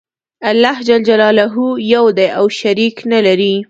الله ج یو دی او شریک نلری.